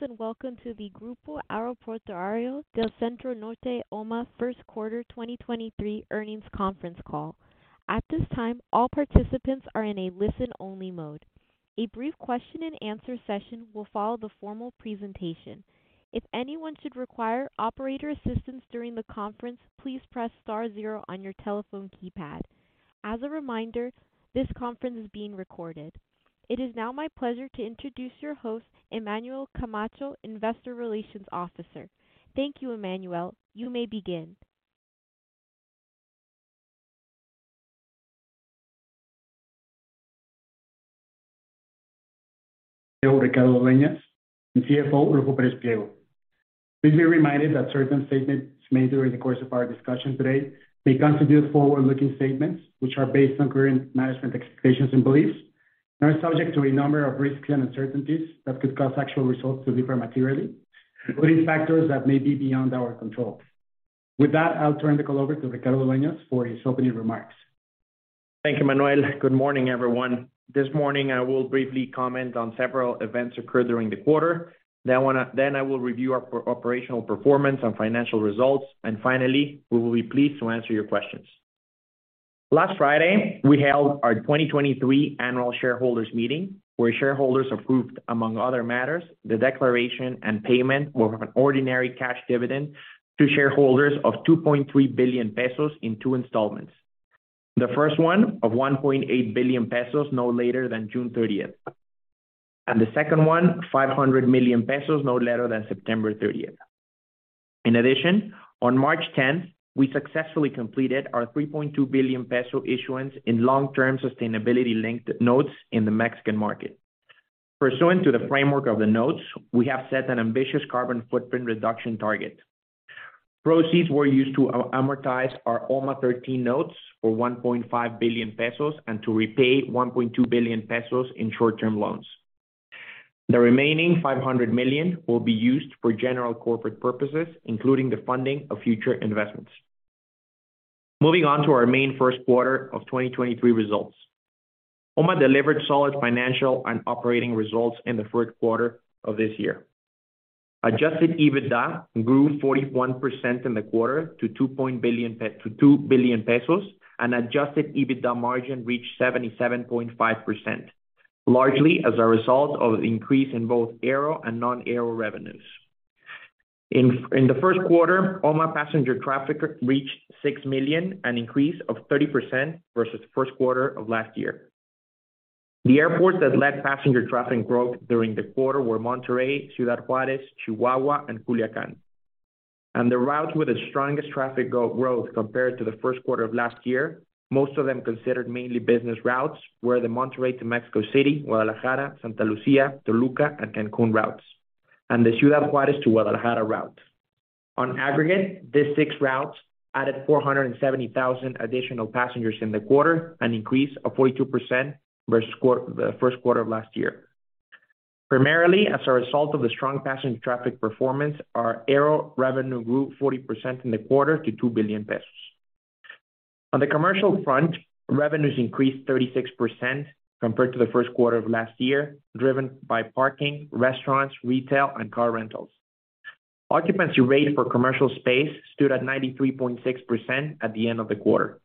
Good and welcome to the Grupo Aeroportuario del Centro Norte OMA first quarter 2023 earnings conference call. At this time, all participants are in a listen-only mode. A brief question and answer session will follow the formal presentation. If anyone should require operator assistance during the conference, please press star zero on your telephone keypad. As a reminder, this conference is being recorded. It is now my pleasure to introduce your host, Emmanuel Camacho, Investor Relations Officer. Thank you, Emmanuel. You may begin. Please be reminded that certain statements made during the course of our discussion today may constitute forward-looking statements, which are based on current management expectations and beliefs and are subject to a number of risks and uncertainties that could cause actual results to differ materially. Including factors that may be beyond our control. With that, I'll turn the call over to Ricardo Dueñas for his opening remarks. Thank you, Emmanuel. Good morning, everyone. This morning, I will briefly comment on several events occurred during the quarter. Then I will review our operational performance and financial results. Finally, we will be pleased to answer your questions. Last Friday, we held our 2023 annual shareholders meeting, where shareholders approved, among other matters, the declaration and payment of an ordinary cash dividend to shareholders of 2.3 billion pesos in 2 installments. The first one of 1.8 billion pesos, no later than June 30th. The second one, 500 million pesos, no later than September 30th. In addition, on March 10th, we successfully completed our 3.2 billion peso issuance in long-term sustainability-linked notes in the Mexican market. Pursuant to the framework of the notes, we have set an ambitious carbon footprint reduction target. Proceeds were used to amortize our OMA 13 notes for 1.5 billion pesos and to repay 1.2 billion pesos in short-term loans. The remaining 500 million will be used for general corporate purposes, including the funding of future investments. Moving on to our main first quarter of 2023 results. OMA delivered solid financial and operating results in the first quarter of this year. Adjusted EBITDA grew 41% in the quarter to 2 billion pesos, and adjusted EBITDA margin reached 77.5%, largely as a result of increase in both aero and non-aero revenues. In the first quarter, OMA passenger traffic reached six million, an increase of 30% versus first quarter of last year. The airports that led passenger traffic growth during the quarter were Monterrey, Ciudad Juárez, Chihuahua, and Culiacán. The routes with the strongest traffic growth compared to the first quarter of last year, most of them considered mainly business routes, were the Monterrey to Mexico City, Guadalajara, Santa Lucía, Toluca, and Cancun routes, and the Ciudad Juárez to Guadalajara route. On aggregate, these six routes added 470,000 additional passengers in the quarter, an increase of 42% versus the first quarter of last year. Primarily, as a result of the strong passenger traffic performance, our aero revenue grew 40% in the quarter to 2 billion pesos. On the commercial front, revenues increased 36% compared to the first quarter of last year, driven by parking, restaurants, retail, and car rentals. Occupancy rate for commercial space stood at 93.6% at the end of the quarter.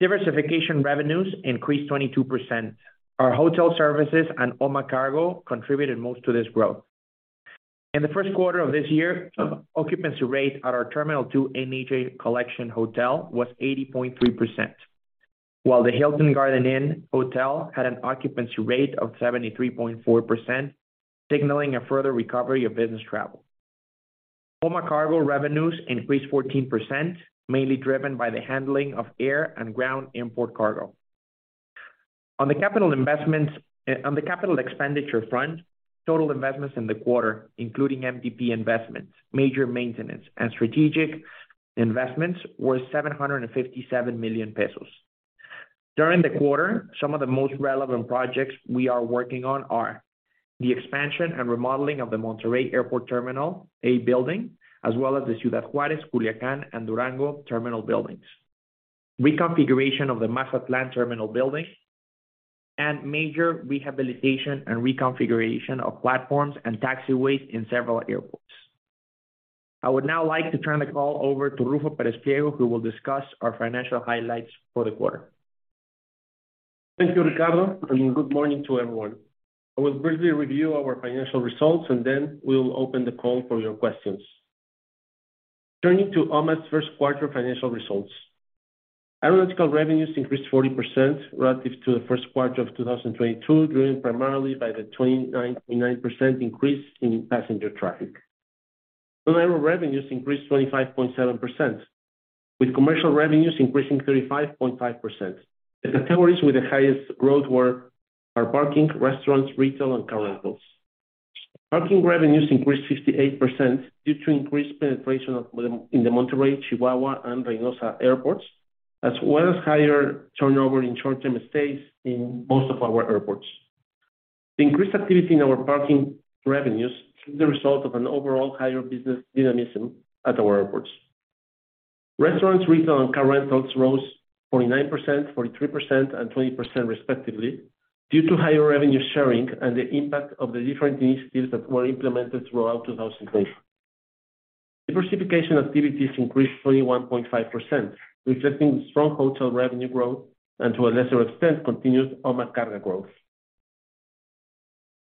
Diversification revenues increased 22%. Our hotel services and OMA Carga contributed most to this growth. In the first quarter of this year, occupancy rate at our Terminal 2 NH Collection Hotel was 80.3%, while the Hilton Garden Inn Hotel had an occupancy rate of 73.4%, signaling a further recovery of business travel. OMA Carga revenues increased 14%, mainly driven by the handling of air and ground import cargo. On the capital expenditure front, total investments in the quarter, including MDP investments, major maintenance, and strategic investments, were 757 million pesos. During the quarter, some of the most relevant projects we are working on are: the expansion and remodeling of the Monterrey Airport terminal A building, as well as the Ciudad Juárez, Culiacán, and Durango terminal buildings, reconfiguration of the Mazatlán terminal building, and major rehabilitation and reconfiguration of platforms and taxiways in several airports. I would now like to turn the call over to Ruffo Pérez Pliego, who will discuss our financial highlights for the quarter. Thank you, Ricardo, and good morning to everyone. I will briefly review our financial results, and then we will open the call for your questions. Turning to OMA's first quarter financial results. Aeronautical revenues increased 40% relative to the first quarter of 2022, driven primarily by the 29% increase in passenger traffic. Non-aero revenues increased 25.7%, with commercial revenues increasing 35.5%. The categories with the highest growth were our parking, restaurants, retail, and car rentals. Parking revenues increased 58% due to increased penetration in the Monterrey, Chihuahua, and Reynosa airports, as well as higher turnover in short-term stays in most of our airports. The increased activity in our parking revenues is the result of an overall higher business dynamism at our airports. Restaurants, retail, and car rentals rose 49%, 43%, and 20% respectively, due to higher revenue sharing and the impact of the different initiatives that were implemented throughout 2023. Diversification activities increased 41.5%, reflecting strong hotel revenue growth and to a lesser extent, continued OMA Carga growth.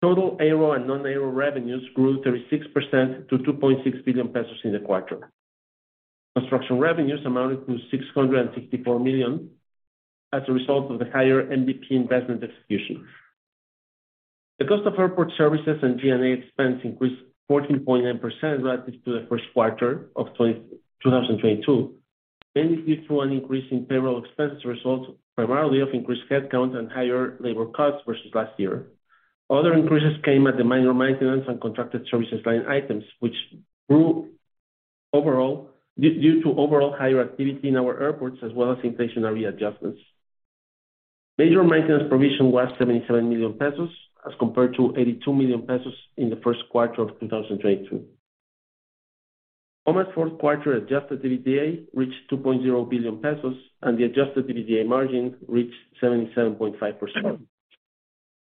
Total aero and non-aero revenues grew 36%-MXN 2.6 billion in the quarter. Construction revenues amounted to 664 million as a result of the higher MDP investment execution. The cost of airport services and G&A expense increased 14.9% relative to the first quarter of 2022, mainly due to an increase in payroll expense as a result primarily of increased headcounts and higher labor costs versus last year. Other increases came at the minor maintenance and contracted services line items, which grew overall due to overall higher activity in our airports as well as inflationary adjustments. Major maintenance provision was 77 million pesos as compared to 82 million pesos in the first quarter of 2022. OMA's fourth quarter adjusted EBITDA reached 2.0 billion pesos, and the adjusted EBITDA margin reached 77.5%.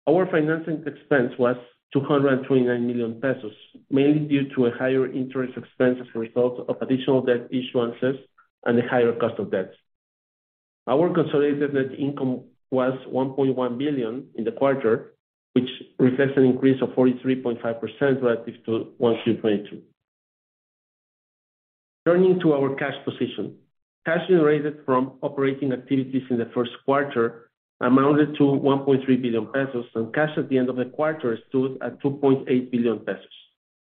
Our financing expense was 229 million pesos, mainly due to a higher interest expense as a result of additional debt issuances and a higher cost of debt. Our consolidated net income was 1.1 billion in the quarter, which reflects an increase of 43.5% relative to 1Q22. Turning to our cash position. Cash generated from operating activities in the first quarter amounted to 1.3 billion pesos, and cash at the end of the quarter stood at 2.8 billion pesos,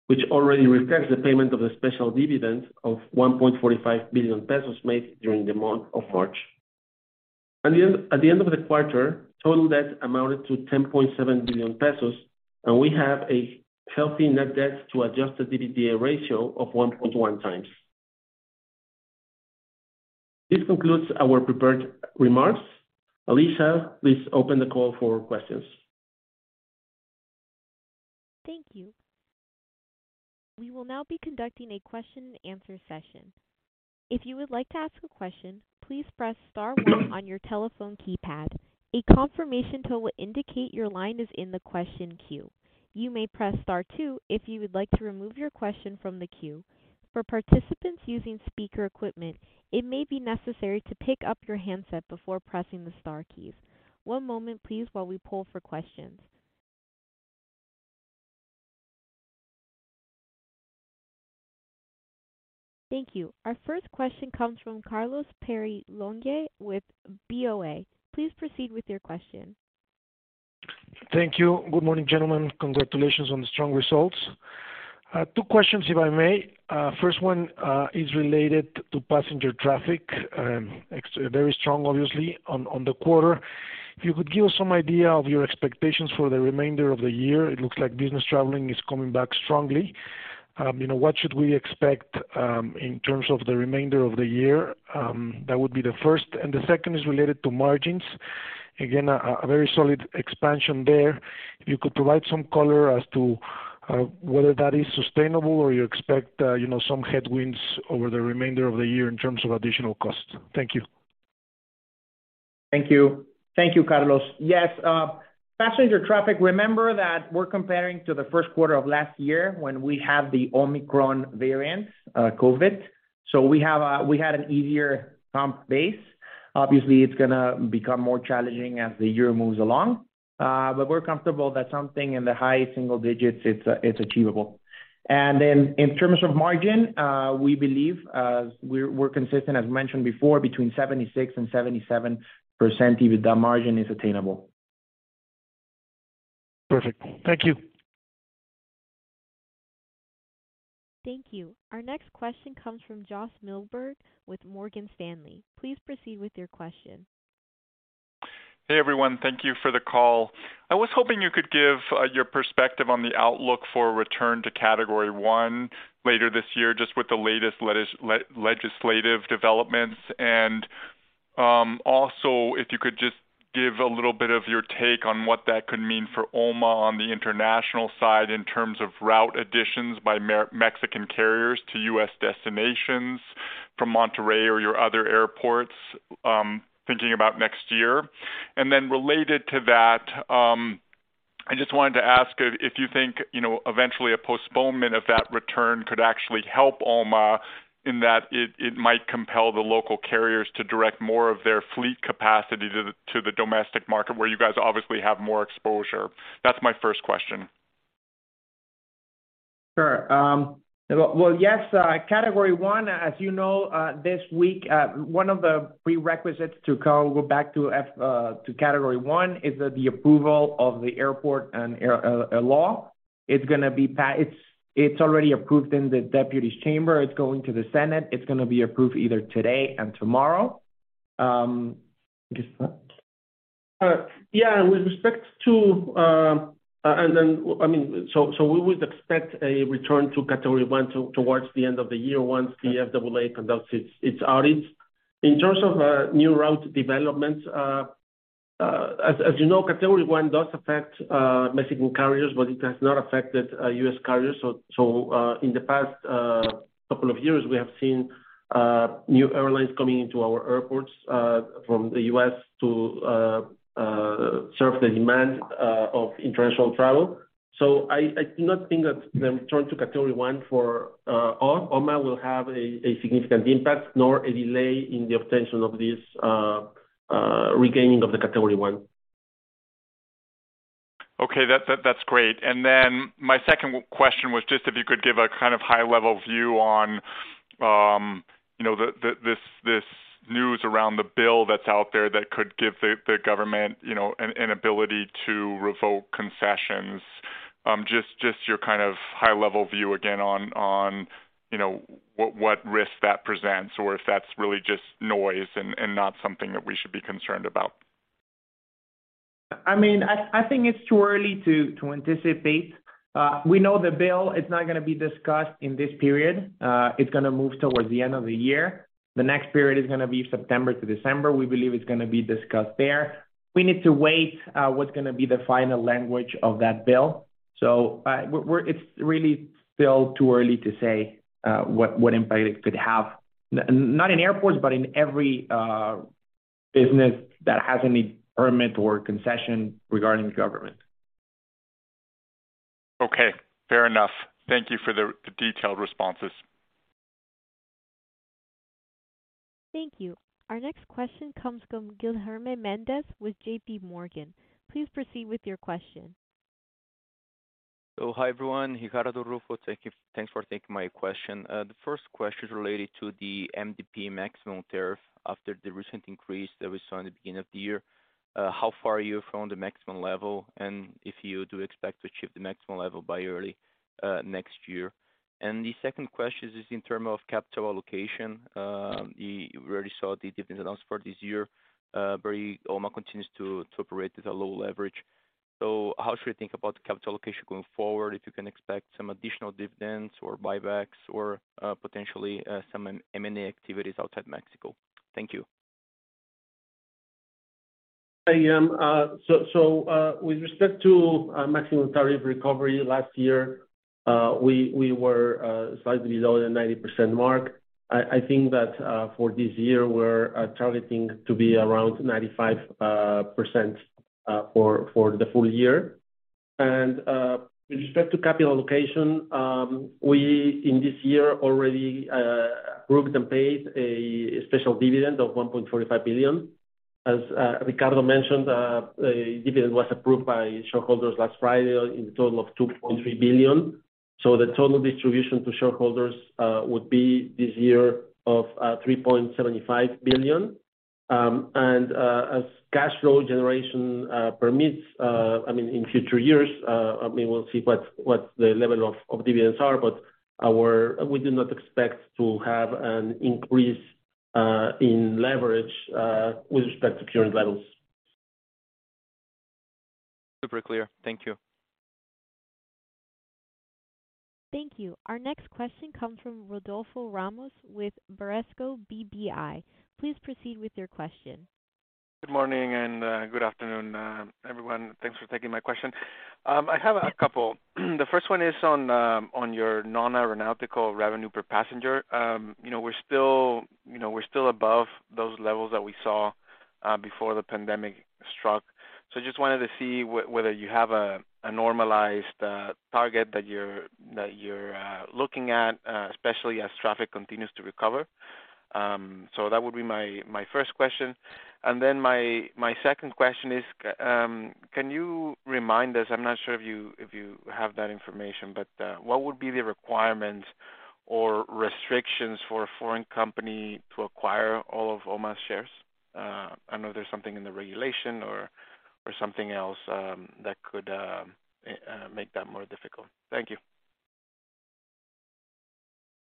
which already reflects the payment of a special dividend of 1.45 billion pesos made during the month of March. At the end of the quarter, total debt amounted to 10.7 billion pesos, and we have a healthy net debt to adjust the EBITDA ratio of 1.1x. This concludes our prepared remarks. Alicia, please open the call for questions. Thank you. We will now be conducting a question and answer session. If you would like to ask a question, please press star one on your telephone keypad. A confirmation tone will indicate your line is in the question queue. You may press star two if you would like to remove your question from the queue. For participants using speaker equipment, it may be necessary to pick up your handset before pressing the star keys. One moment please while we poll for questions. Thank you. Our first question comes from Carlos Peyrelongue with BofA. Please proceed with your question. Thank you. Good morning, gentlemen. Congratulations on the strong results. Two questions, if I may. First one is related to passenger traffic. Very strong, obviously on the quarter. If you could give us some idea of your expectations for the remainder of the year. It looks like business traveling is coming back strongly. You know, what should we expect in terms of the remainder of the year? That would be the first. The second is related to margins. Again, a very solid expansion there. If you could provide some color as to whether that is sustainable or you expect, you know, some headwinds over the remainder of the year in terms of additional costs. Thank you. Thank you. Thank you, Carlos. Passenger traffic. Remember that we're comparing to the first quarter of last year when we had the Omicron variant, COVID. We had an easier comp base. Obviously, it's gonna become more challenging as the year moves along, but we're comfortable that something in the high single digits it's achievable. In terms of margin, we believe we're consistent, as mentioned before, between 76% and 77% EBITDA margin is attainable. Perfect. Thank you. Thank you. Our next question comes from Josh Milberg with Morgan Stanley. Please proceed with your question. Hey, everyone. Thank you for the call. I was hoping you could give your perspective on the outlook for return to Category 1 later this year, just with the latest legislative developments. Also, if you could just give a little bit of your take on what that could mean for OMA on the international side in terms of route additions by Mexican carriers to U.S. destinations from Monterrey or your other airports, thinking about next year. Then related to that, I just wanted to ask if you think, you know, eventually a postponement of that return could actually help OMA in that it might compel the local carriers to direct more of their fleet capacity to the domestic market where you guys obviously have more exposure. That's my first question. Sure. Well, yes, Category 1, as you know, this week, one of the prerequisites to go back to Category 1 is the approval of the airport and air law. It's already approved in the deputies chamber. It's going to the Senate. It's gonna be approved either today and tomorrow. I guess that. Yeah, with respect to. We would expect a return to Category 1 towards the end of the year once the FAA conducts its audits. In terms of new route developments, as you know, Category 1 does affect Mexican carriers, but it has not affected U.S. carriers. In the past couple of years, we have seen new airlines coming into our airports from the US to serve the demand of international travel. I do not think that the return to Category 1 for OMA will have a significant impact, nor a delay in the obtaintion of this regaining of the Category 1. Okay. That's great. My second question was just if you could give a kind of high-level view on, you know, the this news around the bill that's out there that could give the government, you know, an ability to revoke concessions. Just your kind of high-level view again on, you know, what risk that presents or if that's really just noise and not something that we should be concerned about. I mean, I think it's too early to anticipate. We know the bill is not gonna be discussed in this period. It's gonna move towards the end of the year. The next period is gonna be September to December. We believe it's gonna be discussed there. We need to wait what's gonna be the final language of that bill. It's really still too early to say what impact it could have, not in airports, but in every business that has any permit or concession regarding the government. Okay, fair enough. Thank you for the detailed responses. Thank you. Our next question comes from Guilherme Mendes with JPMorgan. Please proceed with your question. Hi, everyone. Guilherme Mendes. Thank you. Thanks for taking my question. The first question is related to the MDP maximum tariff after the recent increase that we saw in the beginning of the year. How far are you from the maximum level, and if you do expect to achieve the maximum level by early, next year? The second question is in terms of capital allocation. You already saw the dividend announced for this year. OMA continues to operate at a low leverage. How should we think about capital allocation going forward, if you can expect some additional dividends or buybacks or, potentially, some M&A activities outside Mexico? Thank you. With respect to maximum tariff recovery, last year, we were slightly below the 90% mark. I think that for this year, we're targeting to be around 95% for the full year. With respect to capital allocation, we in this year already approved and paid a special dividend of 1.45 billion. As Ricardo mentioned, the dividend was approved by shareholders last Friday in a total of 2.3 billion. The total distribution to shareholders would be this year of 3.75 billion. As cash flow generation permits, I mean, in future years, I mean, we'll see what the level of dividends are, but we do not expect to have an increase in leverage with respect to current levels. Super clear. Thank you. Thank you. Our next question comes from Rodolfo Ramos with Bradesco BBI. Please proceed with your question. Good morning, and good afternoon, everyone. Thanks for taking my question. I have a couple. The first one is on your non-aeronautical revenue per passenger. You know, we're still above those levels that we saw before the pandemic struck. Just wanted to see whether you have a normalized target that you're looking at, especially as traffic continues to recover. That would be my first question. My second question is, can you remind us, I'm not sure if you have that information, but what would be the requirements or restrictions for a foreign company to acquire all of OMA's shares? I know there's something in the regulation or something else that could make that more difficult. Thank you.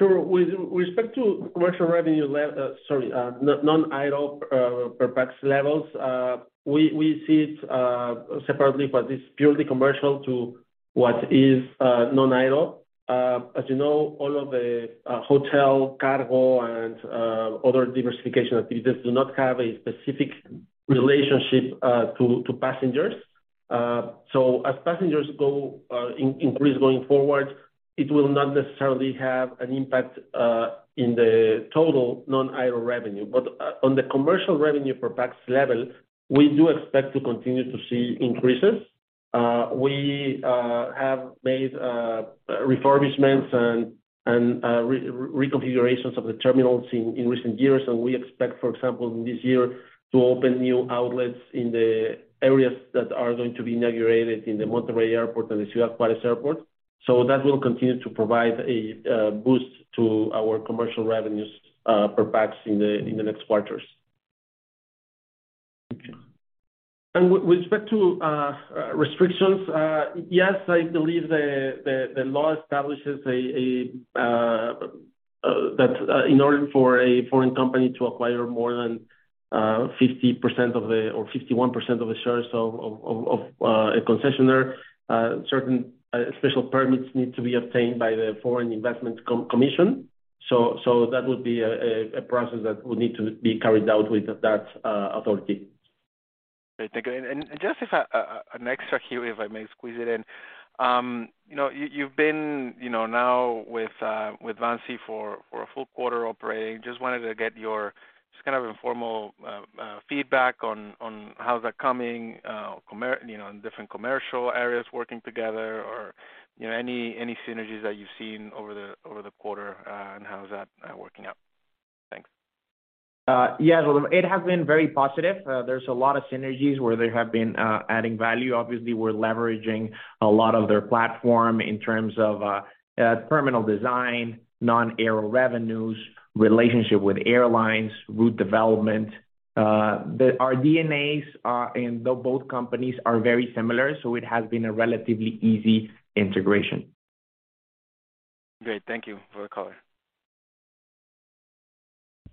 Sure. With respect to commercial revenue, non-aero per pax levels, we see it separately, but it's purely commercial to what is non-aero. As you know, all of the hotel, cargo, and other diversification activities do not have a specific relationship to passengers. As passengers increase going forward, it will not necessarily have an impact in the total non-aero revenue. On the commercial revenue per pax level, we do expect to continue to see increases. We have made refurbishments and reconfigurations of the terminals in recent years, and we expect, for example, this year to open new outlets in the areas that are going to be inaugurated in the Monterrey Airport and the Ciudad Juárez Airport. That will continue to provide a boost to our commercial revenues per pax in the next quarters. Thank you. With respect to restrictions, yes, I believe the law establishes that in order for a foreign company to acquire more than 50% or 51% of the shares of a concessionaire, certain special permits need to be obtained by the Foreign Investment Commission. That would be a process that would need to be carried out with that authority. Okay, thank you. Just as an extra here, if I may squeeze it in. You know, you've been, you know, now with VINCI for a full quarter operating. Just wanted to get your just kind of informal feedback on how is that coming, you know, in different commercial areas working together or, you know, any synergies that you've seen over the quarter, and how is that working out? Thanks. Yeah. It has been very positive. There's a lot of synergies where they have been adding value. Obviously, we're leveraging a lot of their platform in terms of terminal design, non-aero revenues, relationship with airlines, route development. Our DNAs are in both companies are very similar. It has been a relatively easy integration. Great. Thank you for the color.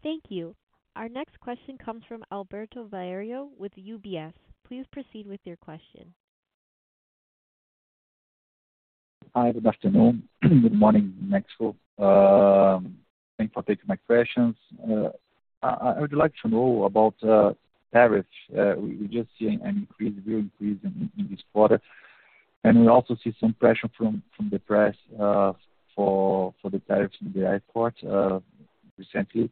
Thank you. Our next question comes from Alberto Valerio with UBS. Please proceed with your question. Hi. Good afternoon. Good morning, Mexico. Thanks for taking my questions. I would like to know about tariff. We're just seeing an increase, real increase in this quarter. We also see some pressure from the press for the tariffs in the airport recently.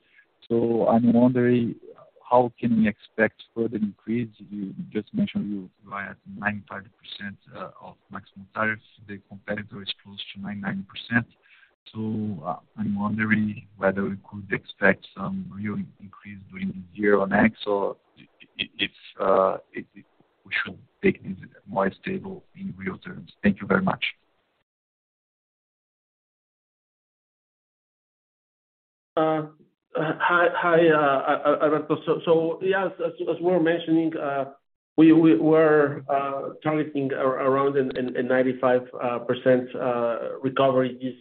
I'm wondering how can we expect further increase? You just mentioned you are at 95% of maximum tariffs. The competitor is close to 99%. I'm wondering whether we could expect some real increase during the year or next, or if we should take it more stable in real terms. Thank you very much. Hi, Alberto. Yes, as we were mentioning, we're targeting around in 95% recovery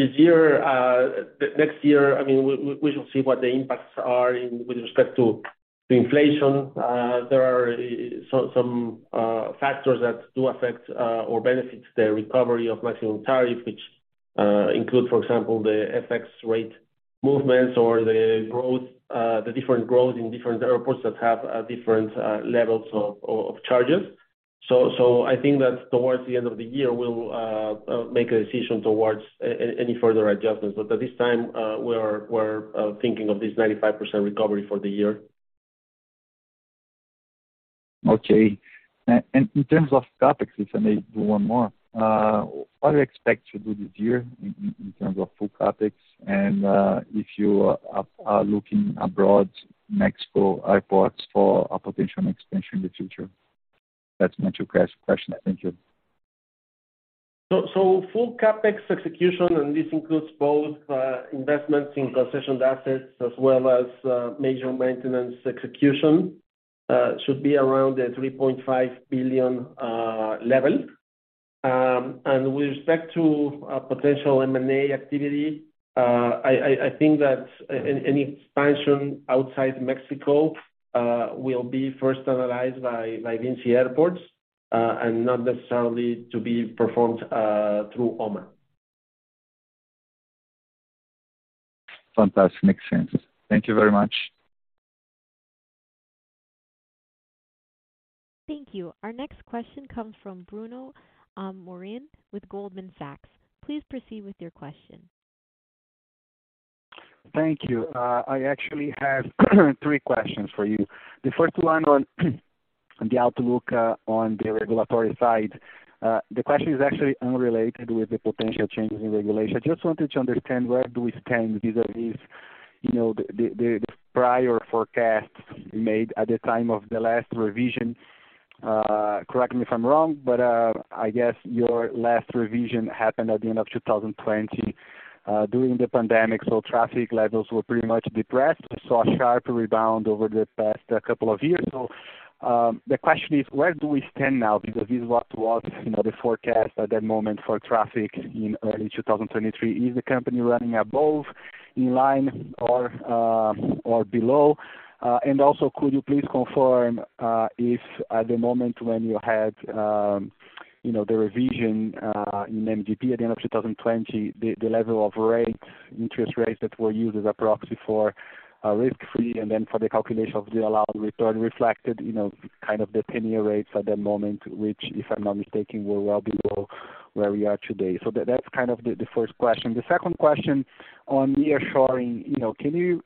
this year. Next year, I mean, we shall see what the impacts are in with respect to the inflation. There are some factors that do affect or benefit the recovery of maximum tariff, which include, for example, the FX rate movements or the growth in different growth in different airports that have different levels of charges. I think that towards the end of the year, we'll make a decision towards any further adjustments. At this time, we're thinking of this 95% recovery for the year. Okay. In terms of CapEx, if I may do one more, what do you expect to do this year in terms of full CapEx? If you are looking abroad Mexico airports for a potential expansion in the future? That's my two question. Thank you. Full CapEx execution, and this includes both investments in concessioned assets as well as major maintenance execution, should be around the 3.5 billion level. With respect to potential M&A activity, I think that any expansion outside Mexico will be first analyzed by VINCI Airports and not necessarily to be performed through OMA. Fantastic. Makes sense. Thank you very much. Thank you. Our next question comes from Bruno Amorim with Goldman Sachs. Please proceed with your question. Thank you. I actually have three questions for you. The first one on the outlook, on the regulatory side. The question is actually unrelated with the potential changes in regulation. Just wanted to understand where do we stand vis-a-vis, you know, the, the prior forecast made at the time of the last revision? Correct me if I'm wrong, but I guess your last revision happened at the end of 2020, during the pandemic. Traffic levels were pretty much depressed. We saw a sharp rebound over the past couple of years. The question is, where do we stand now? Because this was, you know, the forecast at that moment for traffic in early 2023. Is the company running above, in line, or below? Also could you please confirm if at the moment when you had, you know, the revision in MDP at the end of 2020, the level of rates, interest rates that were used as a proxy for risk-free and then for the calculation of the allowed return reflected, you know, kind of the 10-year rates at that moment, which, if I'm not mistaken, were well below where we are today. That's kind of the first question. The second question on nearshoring. You know, can you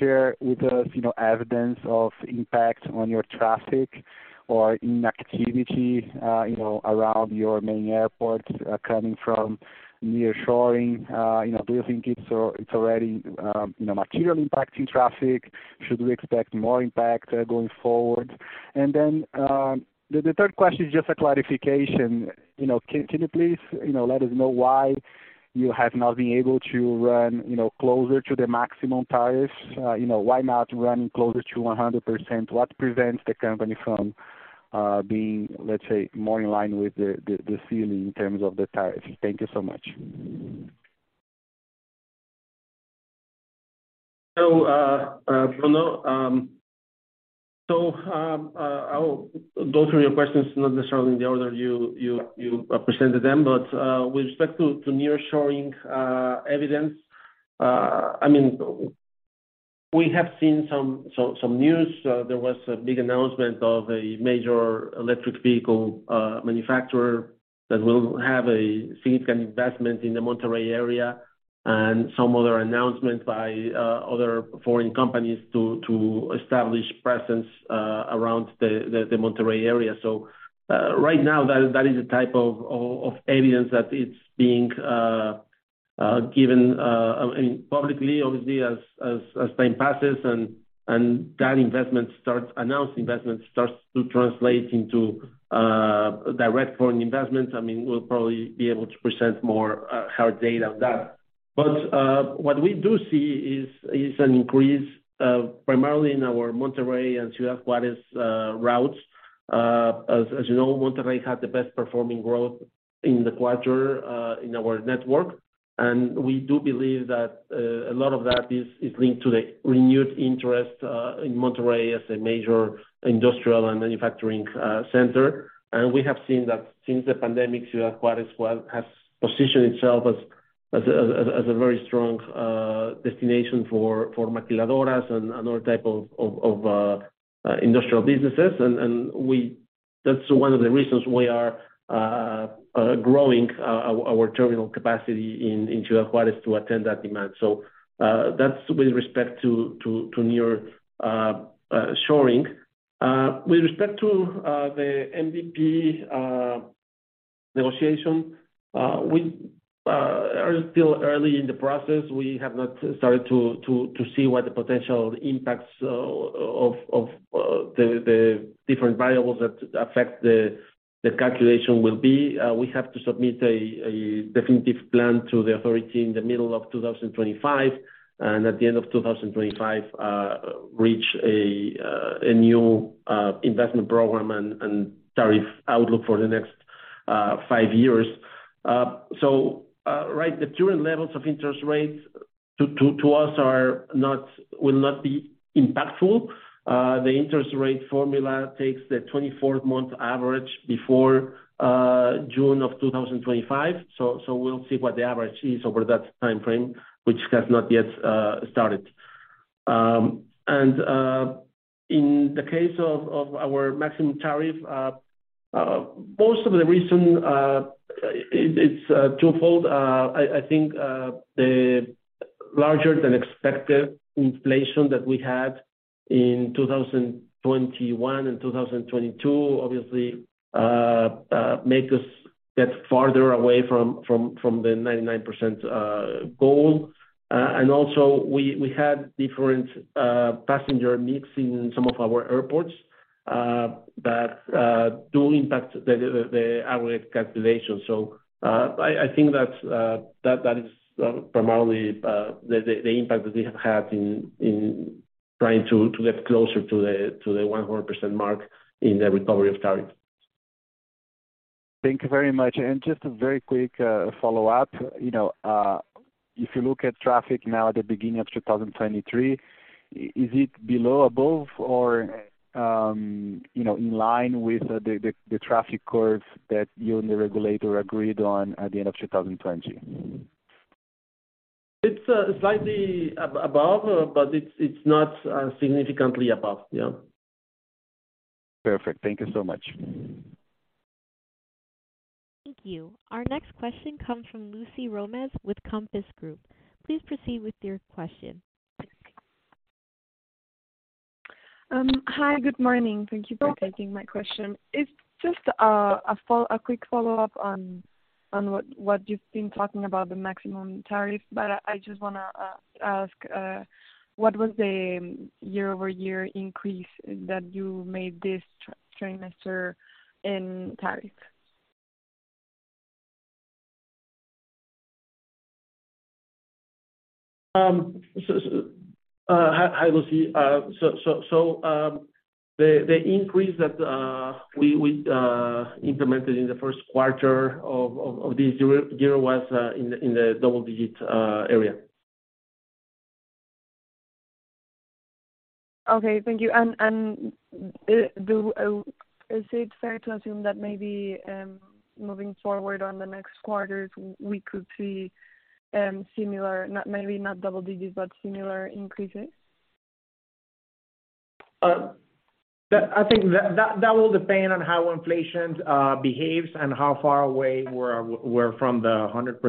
share with us, you know, evidence of impact on your traffic or inactivity, you know, around your main airports, coming from nearshoring? You know, do you think it's already, you know, materially impacting traffic? Should we expect more impact going forward? Then, the third question is just a clarification. You know, can you please, you know, let us know why you have not been able to run, you know, closer to the maximum tariffs? You know, why not run closer to 100%? What prevents the company from being, let's say, more in line with the ceiling in terms of the tariffs? Thank you so much. Bruno, I'll go through your questions, not necessarily in the order you presented them. With respect to nearshoring evidence, I mean, we have seen some news. There was a big announcement of a major electric vehicle manufacturer that will have a significant investment in the Monterrey area, and some other announcements by other foreign companies to establish presence around the Monterrey area. Right now that is the type of areas that it's being given, I mean, publicly, obviously as time passes and that announced investment starts to translate into direct foreign investment. I mean, we'll probably be able to present more hard data on that. What we do see is an increase primarily in our Monterrey and Ciudad Juárez routes. As you know, Monterrey had the best performing growth in the quarter in our network. We do believe that a lot of that is linked to the renewed interest in Monterrey as a major industrial and manufacturing center. We have seen that since the pandemic, Ciudad Juárez has positioned itself as a very strong destination for maquiladoras and other type of industrial businesses. That's one of the reasons we are growing our terminal capacity in Ciudad Juárez to attend that demand. That's with respect to nearshoring. With respect to the MVP negotiation, we are still early in the process. We have not started to see what the potential impacts of the different variables that affect the calculation will be. We have to submit a definitive plan to the authority in the middle of 2025, and at the end of 2025, reach a new investment program and tariff outlook for the next five years. Right, the current levels of interest rates to us will not be impactful. The interest rate formula takes the 24th month average before June of 2025. We'll see what the average is over that timeframe, which has not yet started. In the case of our maximum tariff, most of the reason, it's twofold. I think the larger than expected inflation that we had in 2021 and 2022, obviously, make us get farther away from the 99% goal. Also, we had different passenger mix in some of our airports that do impact the average calculation. I think that is primarily the impact that they have had in trying to get closer to the 100% mark in the recovery of tariffs. Thank you very much. Just a very quick follow-up. You know, if you look at traffic now at the beginning of 2023, is it below, above or, you know, in line with the traffic course that you and the regulator agreed on at the end of 2020? It's slightly above, but it's not significantly above. Yeah. Perfect. Thank you so much. Thank you. Our next question comes from Lucie Rozmes with Compass Group. Please proceed with your question. Hi. Good morning. Thank you for taking my question. It's just a quick follow-up on what you've been talking about the maximum tariff. I just wanna ask what was the year-over-year increase that you made this tri-trimester in tariff? Hi, Lucie. The increase that we implemented in the first quarter of this year was in the double digits area. Okay. Thank you. Is it fair to assume that maybe, moving forward on the next quarters we could see, similar, not maybe not double digits, but similar increases? I think that will depend on how inflation behaves and how far away we're from the 100%.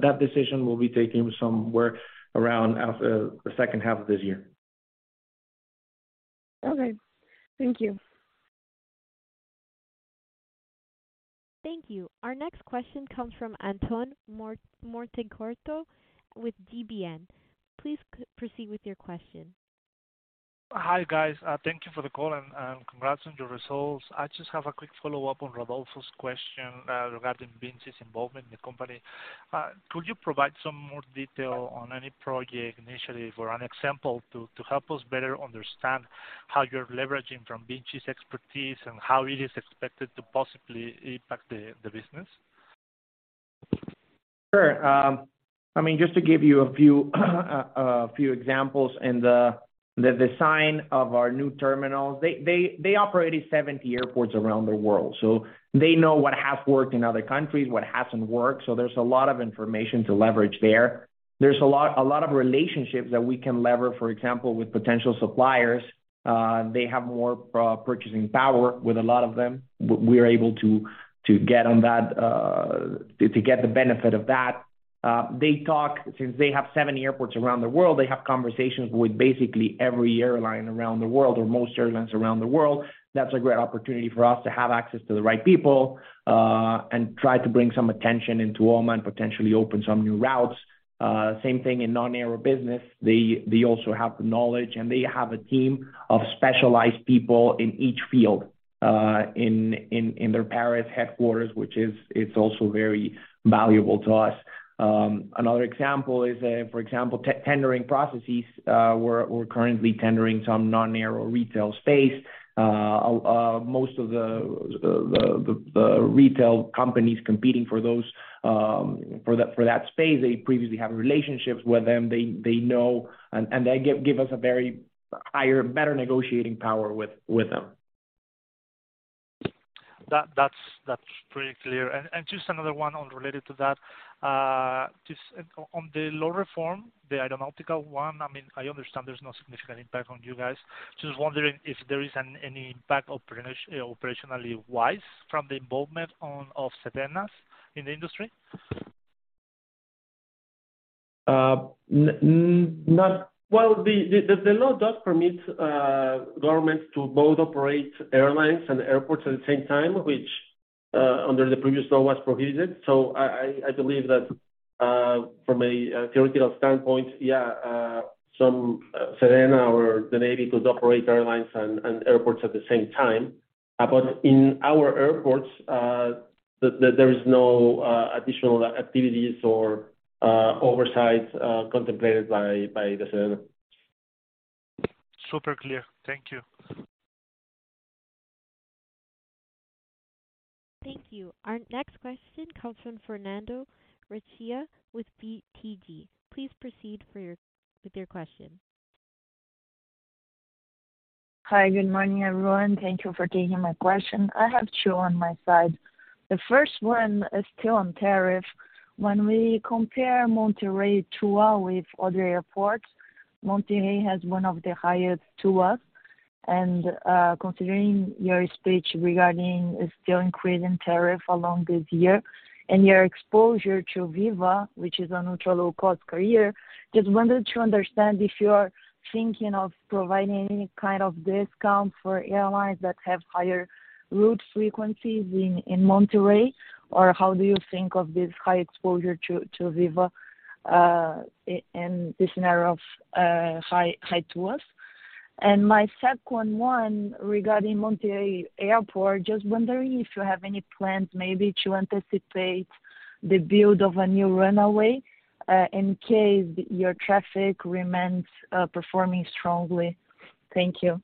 That decision will be taking somewhere around the second half of this year. Okay. Thank you. Thank you. Our next question comes from Anton Mortenkotter with GBM. Please proceed with your question. Hi, guys. Thank you for the call and congrats on your results. I just have a quick follow-up on Rodolfo's question regarding VINCI's involvement in the company. Could you provide some more detail on any project initiative or an example to help us better understand how you're leveraging from VINCI's expertise and how it is expected to possibly impact the business? Sure. I mean, just to give you a few examples in the design of our new terminals. They operate in 70 airports around the world, so they know what has worked in other countries, what hasn't worked, so there's a lot of information to leverage there. There's a lot of relationships that we can lever. For example, with potential suppliers, they have more purchasing power with a lot of them. We're able to get on that to get the benefit of that. Since they have 7 airports around the world, they have conversations with basically every airline around the world or most airlines around the world. That's a great opportunity for us to have access to the right people, and try to bring some attention into OMA and potentially open some new routes. Same thing in non-aero business. They also have the knowledge, and they have a team of specialized people in each field, in their Paris headquarters, which is, it's also very valuable to us. Another example is, for example, tendering processes. We're currently tendering some non-aero retail space. Most of the retail companies competing for those, for that space, they previously have relationships with them. They know, and they give us a very higher, better negotiating power with them. That's pretty clear. Just another one on related to that. Just on the law reform, the aeronautical one, I mean, I understand there's no significant impact on you guys. Just wondering if there is any impact operationally wise from the involvement of SEDENA in the industry? Not... Well, the law does permit government to both operate airlines and airports at the same time, which under the previous law was prohibited. I believe that from a theoretical standpoint, yeah, some SEDENA or the Navy could operate airlines and airports at the same time. In our airports, there is no additional activities or oversights contemplated by the SEDENA. Super clear. Thank you. Thank you. Our next question comes from Fernanda Recchia with BTG. Please proceed with your question. Hi. Good morning, everyone. Thank you for taking my question. I have two on my side. The first one is still on tariff. When we compare Monterrey TUA with other airports, Monterrey has one of the highest TUAs. Considering your speech regarding still increasing tariff along this year and your exposure to Viva, which is a neutral low-cost carrier, just wanted to understand if you are thinking of providing any kind of discount for airlines that have higher route frequencies in Monterrey, or how do you think of this high exposure to Viva in this scenario of high TUAs? My second one regarding Monterrey Airport, just wondering if you have any plans maybe to anticipate the build of a new runway, in case your traffic remains performing strongly. Thank you.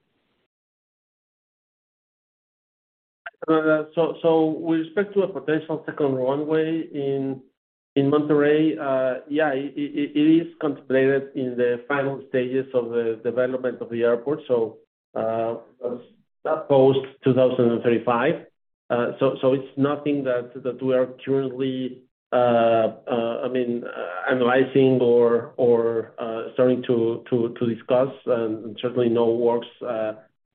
So with respect to a potential second runway in Monterrey, yeah, it is contemplated in the final stages of the development of the airport, that's post 2035. So it's nothing that we are currently, I mean, analyzing or starting to discuss. Certainly no works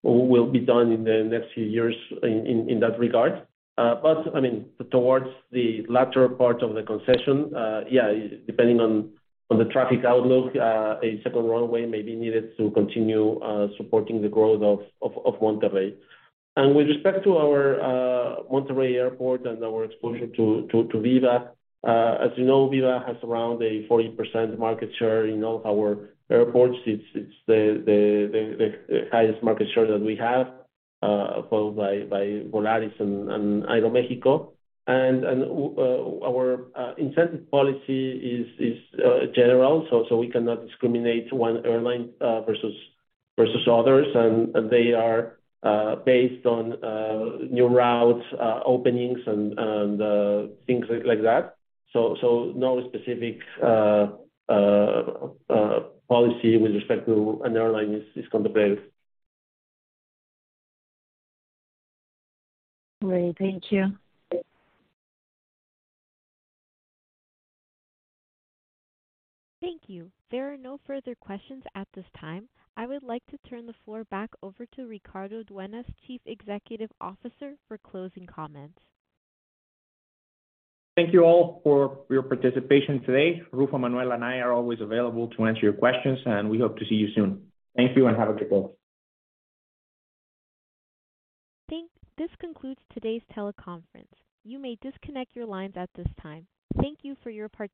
will be done in the next few years in that regard. But I mean, towards the latter part of the concession, yeah, depending on the traffic outlook, a second runway may be needed to continue supporting the growth of Monterrey. With respect to our Monterrey airport and our exposure to Viva, as you know, Viva has around a 40% market share in all our airports. It's the highest market share that we have, followed by Volaris and Aeroméxico. Well, our incentive policy is general, so we cannot discriminate one airline versus others. They are based on new routes, openings and things like that. No specific policy with respect to an airline is contemplated. Great. Thank you. Thank you. There are no further questions at this time. I would like to turn the floor back over to Ricardo Dueñas, Chief Executive Officer, for closing comments. Thank you all for your participation today. Rufo, Emmanuel, and I are always available to answer your questions, and we hope to see you soon. Thank you and have a good day. This concludes today's teleconference. You may disconnect your lines at this time. Thank you for your participation.